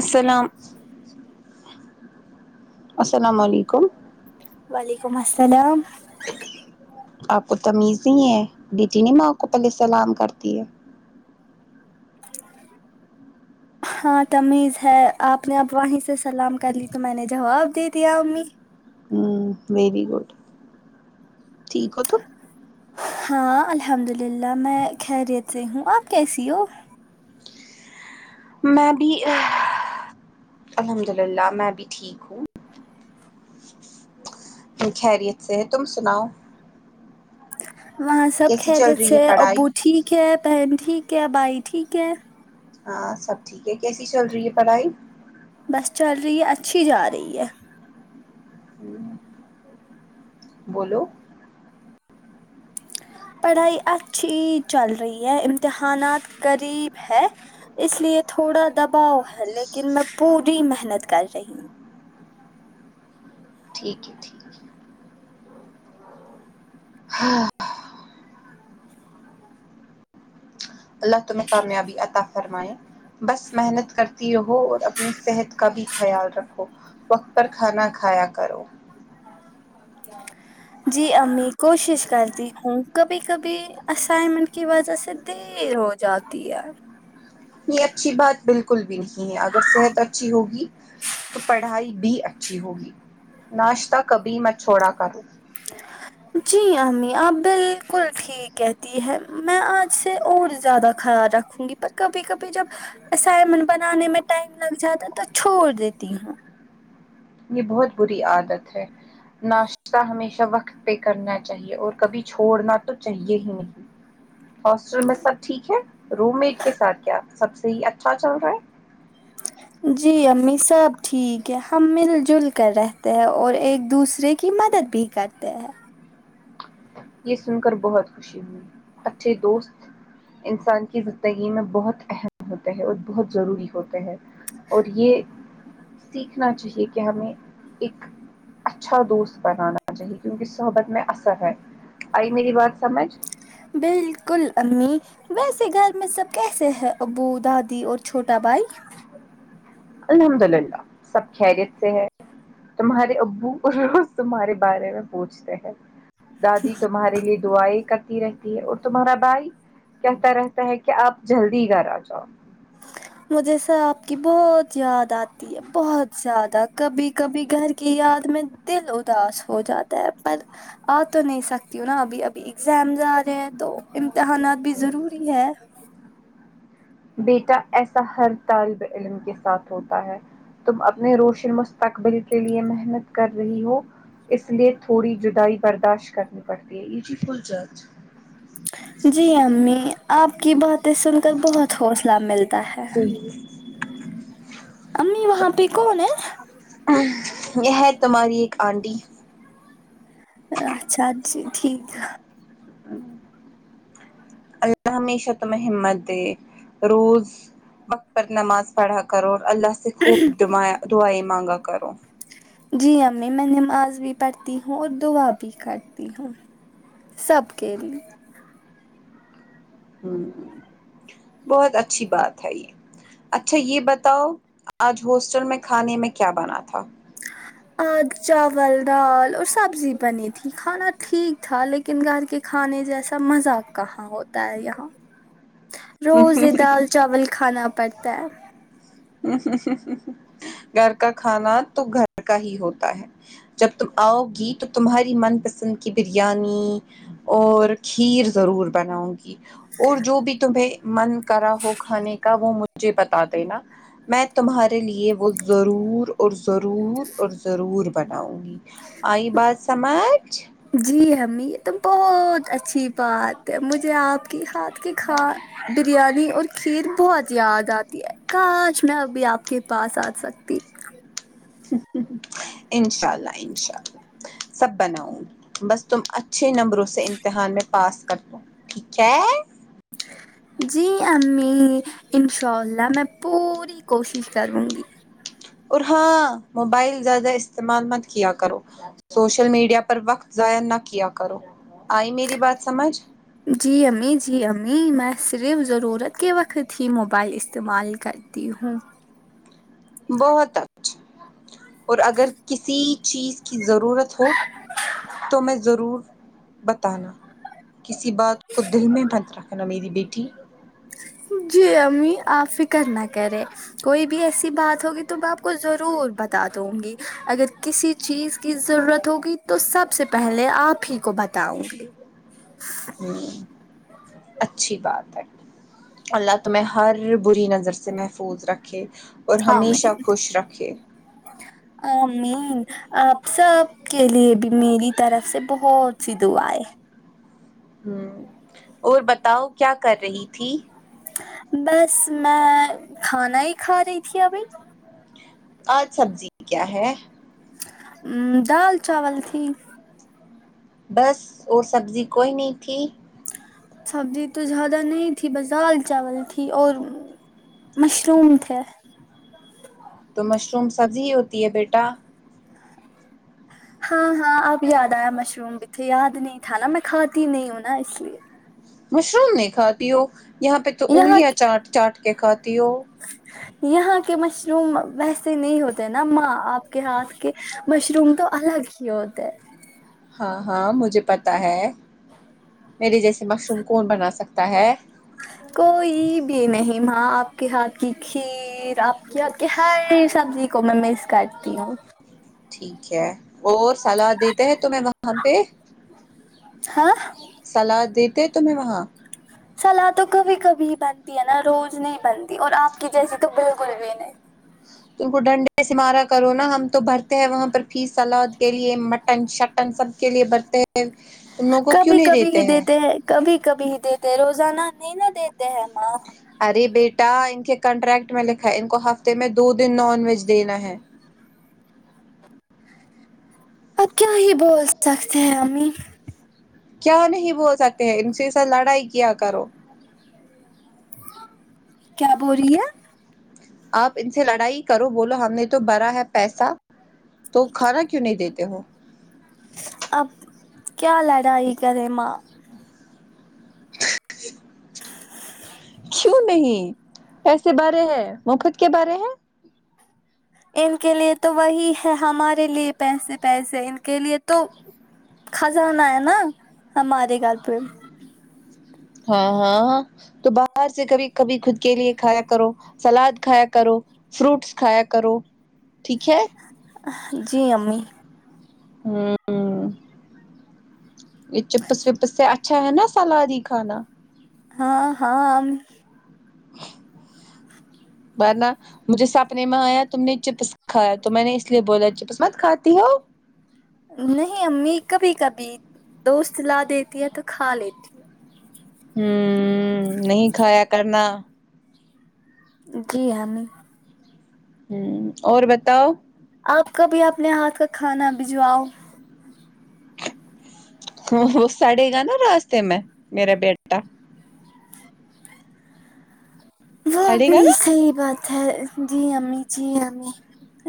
السلام السلام علیکم وعلیکم السلام آپ کو تمیز نہیں ہے بیٹی نے ماں کو پہلے سلام کرتی ہے ہاں تمیز ہے آپ نے اب واہی سے سلام کر لی تو میں نے جواب دے دیا امی ہوں میری گڈ ٹھیک ہو تو ہاں الحمد للہ میں خیریت سے ہوں آپ کیسی ہو میں بھی الحمد للہ میں بھی ٹھیک ہوں ج خیریت سے ہے تم سناؤ وہاں سب کیسی چل خیریت رہی سے ہے ہیں پڑھائی ابو ٹھیک ہے بہن ٹھیک ہے بھائی ٹھیک ہے ہاں سب ٹھیک ہے کیسی چل رہی ہے پڑھائی بس چل رہی ہے اچھی جا رہی ہے بولو پڑھائی اچھی چل رہی ہے امتحانات قریب ہے اس لیے تھوڑا دباؤ ہے لیکن میں پوری محنت کر رہی ہوں ٹھیک ہے ٹھیک ہے ہاں اللہ تمہیں کامیابی عطا فرمائے بس محنت کرتی رہو اور اپنی صحت کا بھی خیال رکھو وقت پر کھانا کھایا کرو جی امی کوشش کرتی ہوں کبھی کبھی اسائنمنٹ کی وجہ سے دیر ہو جاتی ہے یہ اچھی بات بالکل بھی نہیں اگر صحت اچھی ہوگی تو پڑھائی بھی اچھی ہوگی ناشتہ کبھی میں چھوڑا کروں جی امی آپ بالکل ٹھیک کہتی ہے میں آج سے اور زیادہ خیال رکھوں گی پر کبھی کبھی جب اسائمن بنانے میں ٹائم لگ جاتا تو چھوڑ دیتی ہوں یہ بہت بری عادت ہے ناش حشہ ہمیشہ وقت پہ کرنا چاہیئے اور کبھی چھوڑنا تو چاہیے ہی نہیں ہاسٹل میں سب ٹھیک ہے روم میٹ کے ساتھ کیا سب سے ہی اچھا چل رہا ہے جی امی سب ٹھیک ہے ہم مل جل کر رہتے ہیں اور ایک دوسرے کی مدد بھی کرتے ہیں یہ سن کر بہت خوشی ہوئی اچھے دوست انسان کی زندگی میں بہت اہم ہوتے ہے اور بہت ضروری ہوتے ہے اور یہ سیکھنا چاہیے کہ ہمیں ایک اچھا دوست بنانا چاہیے جنکہ صحبت میں اثر ہے آئی میری بات سمجھ بالکل امی ویسے گھر میں سب کیسے ہیں ابو دادی اور چھوٹا بھائی الحمد للہ سب خیریت سے ہے تمہارے ابو اور روز تمہارے بارے میں پوچھتے ہیں دادی تمہاری کے لیے دعائیں کرتی رہتی ہے اور تمہارا بھائی کہتا رہتا ہے کہ آپ جلدی گھر آ جاؤ مجھے سر آپ کی بہت یاد آتی بہت زیادہ کبھی کبھی گھر کی یاد میں دل اداس ہو جاتا ہے پر آ تو نہیں سکتی نا ابھی ابھی ایگزام جا رہے ہیں تو امتحانات بھی ضروری ہے بیٹا ایسا ہر طالب علم کے ساتھ ہوتا ہے تم اپنے روشن مستقبل کے لیے محنت کر رہی ہو اس لیے تھوڑی جدائی برداشت کرنی پڑتی ہے بلکل جج جی امی آپ کی باتیں سن کر بہت حوصلہ ملتا ہے چارج امی وہاں پہ کون ہے یہ ہے تمہاری ایک آنٹی اچھا جی ٹھیک اللہ ہمیشہ تمہیں ہمت دے رورز وقت پر نماز پڑھا کرو اللہ سے خوب دعا دعائیں مانگا کرو جی امی میں نماز بھی پڑھتی ہوں اور دعا بھی کرتی ہوں سب کے لیے ہ بہت اچھی بات ہے یہ اچھا یہ بتاؤ آج ہوسٹل میں کھانے میں کیا بنا تھا آج چاول دال اور سبزی بنی تھی کھانا ٹھیک تھا لیک کن گھر کے کھانے جیسا مذا کہاں ہوتا ہے یہاں روز ہی دال چاول کھانا پڑتا ہے گھر کا کھانا تو گھر کا ہی ہوتا ہے جب تم آؤ گی تو تمہاری من پسند کی بریانی اور کھیر ضرور بناؤں گی اور جو بھی تمہیں من کرا ہو کھانے کا وہ مجھے بتا دینا میں تمہارے لیے وہ ضرور اور ضرور اور ضرور بناؤں گی آئی بات سمجھ جی امی یہ تو بہت اچھی بات ہے مجھے آپ کی ہاتھ کی کھا بریانی اور کھیر بہت یاد آتی ہے کاش میں ابھی آپ کے پاس آ سکتی انشاء اللہ انشاء اللہ سب بناؤں بس تم اچھے نمبروں سے امتحان میں پاس کر دو ٹھیک ہے جی امی انشاء اللہ میں پوری کوشش کروں گی اور ہاں موبائل زیادہ استعمال مت کیا کرو سوشل میڈیا پر وقت ضایع نہ کیا کرو آئی میری بات سمجھ جی امی جی امی میں صرف ضرورت کے وقت ہی موبائل استعمال کر تی ہوں بہت اچھا اور اگر کسی چیز کی ضرورت ہو تمہیں ضرور بتانا کسی بات کو دل میں بند رکھنا میری بیٹی جی امی آپ فکر نہ کریں کوئی بھی ایسی بات ہوگی تو میں آپ کو ضرور بتا دوں گی اگر کسی چیز کی ضرورت ہوگی تو سب سے پہلے آپ ہی کو بتاؤں گی امم اچھی بات ہے اللہ تمہیں ہر بری نظر سے محفوظ رکھے اور ہاں ہمیشہ خوش رکھے آ مین آپ سب کے لیے بھی میری طرف سے بہت سی دعا ہے امم اور بتاؤ کیا کر رہی تھی بس میں کھانا ہی کھا رہی تھی ابھی آج سبزی کیا ہے امم دال چاول تھی بس اور سبزی کوئی نہیں تھی سبزی تو زیادہ نہیں تھی بس دال چاول تھی اور مشروم تھے تو مشروم سبزی ہی ہوتی ہے بیٹا ہاں ہاں اب یاد آیا مشروم بھی تھے یاد نہیں تھا نا میں کھاتی نہیں ہوں نا اس لیے مشروم نہیں کھاتی ہو یہاں پہ تو یہاں انگلیاں چاٹ چاٹ کے کھاتی ہو یہاں کے مشروم ویسے نہیں ہوتے نا ماں آپ کے ہاتھ کے مشروم تو الگ ہی ہوتے ہے ہاں ہاں مجھے پتہ ہے میرے جیسے مشروم کون بنا سکتا ہے کوئی بھی نہیں ماں آپ کے ہاتھ کی کھیر آپ کے آپکےہر سبزی کو میں مس کرتی ہوں ٹھیک ہے اور سلاد دیتے ہے تمہیں وہاں پہ ہاں سلاد دیتے تمہیں وہاں سلاد تو کبھی کبھی بنتی ہے نا روز نہیں بنتی اور آپ کی جیسی تو بالکل بھی نہیں انکو کو ڈنڈے سے مارا کرو نا ہم تو بھرتے ہیں وہاں پر فیس سلاد کے لیے مٹن شک ہم سب کے لیے برتے ہیں ان لوگوں کو کیوں کبھی نہیں کبھی دیتے ہی ہیں کبھی کبھی ہی دیتے روزانہ نہیں نا دیتے ہیں ماں ارے بیٹا ان کے کانٹریکٹ میں لکھا ہے ان کو ہفتے میں دو دن نان ویج دینا ہے اب کیا ہی بول سکتےہےہمی کیا نہیں بول سکتے ہیں ان سے ستھ لڑائی کیا کرو کیا بول رہی ہے آپ ان سے لڑائی کرو بولو ہم نے تو بھرا ہے پیسا تو کھانا کیوں نہیں دیتے ہو اب کیالڑاںی کرے ماں کیوں نہیں پیسے بھرے ہے مفت کے بھرے ہے ان کے لیے تو وہی ہے ہمارے لیے پیسے پیسے ان کے لیے تو قزانہ ہے نا ہمارے گھر پہ ہاں ہاں تو باہر سے کبھی کبھی خود کے لیے کھایا کرو سلاد کھایا کرو فروٹس کھایا کرو ٹھیک ہے اںہ جی امی ہاں یہ چپس وپس سے اچھا ہے نا سلاد ہی کھانا ہاں ہاں ام وارنہ مجھے سپنے میں آیا تم نے چپس کھایا تو میں نے اس لیے بولا چپس مت کھاتی ہو نہیں امی کبھی کبھی دوست لا دیتی ہے تو کھا لیتی ہوں ہمم نہیں کھایا کرنا جی ہاں امی ہمم اور بتاؤ آپ کبھی اپنے ہاتھ کا کھانا بھجواؤ ہ وہ سڑے گا نا راستے میں میرا بیٹ وہ سڑے بھی گا نا صحیح بات ہے جی امی جی امی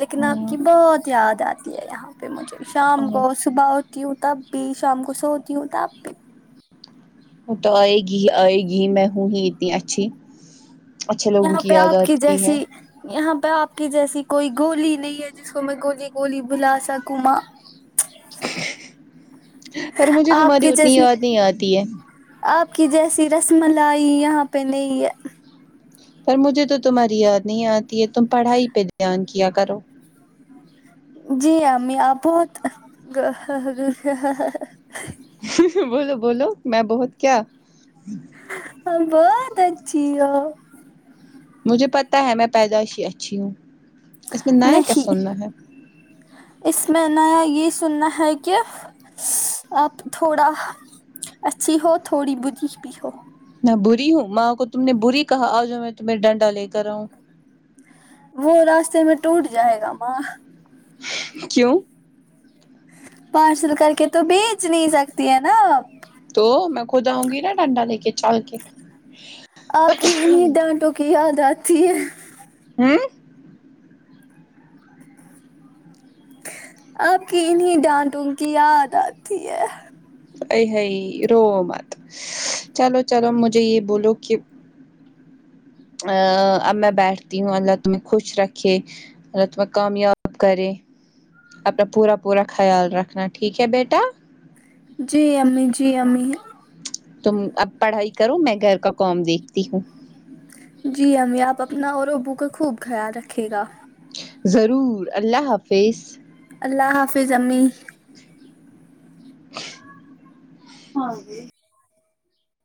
لیکن آپ کی ہاں بہت یاد آتی ہے یہاں پہ مجھے شام کو صبح ا تی ہوں تب بھی شام کو سوتی ہوں تب بھی تو آئے گی ہی آئے گی میں ہوں ہی اتنی اچھی اچھے لوگوں یہاں کی پہ یاد آپ آتی ہے جیسی یہاں پہ آپ کی جیسی کوئی گولی نہیں ہے جس کو میں گولی گولی بھلا سکوں ماں پر مجھے آپ تمہاری کی اتنی جیسی یاد نہیں آتی ہے آپ کی جیسی رس ملائی یہاں پہ نہیں ہے پر مجھے تو تمہاری یاد نہیں آتی ہے تم پڑھائی پہ دھیان کیا کرو جی امی آپ بہت بولو بولو میں بہت کیا ہاں بہت اچھی ہو مجھے پتہ ہے میں پیدائش ہی اچھی ہوں اس میں نیا کیا نہیں سننا ہے اس میں نیا یہ سننا ہے کہ آپ تھوڑا اچھی ہو تھوڑی بری بھی ہو میں بری ہوں ماں کو تم نے بری کہا آ جؤ میں تمہے ڈنڈا لے کر آؤں وہ راستے میں ٹوٹ جائے گا ماں کیوں پارسل کر کے تو بیچ نہیں سکتی ہے نا آپ تو میں خود آؤں گی نا ڈنڈا لے کے چل کے آپ کی انہیں ڈانٹوں کی یاد آتی ہے ہم آپ کی انہی ڈانٹوں کی یاد آتی ہے ائی ہی رو مت چلو چلو مجھے یہ بولو کہ ا اب میں بیٹھتی ہوں اللہ تمہیں خوش رکھے الله تمہیں کامیاب کرے اپنا پورا پورا خیال رکھنا ٹھیک ہے بیٹا جی امی جی امی تم اب پڑھائی کرو میں گھر کا کاوم دیکھتی ہوں جی امی آپ اپنا اور ابو کا خوب خیال رکھے گا ضرور اللہ حافظ اللہ حافظ امی ہاں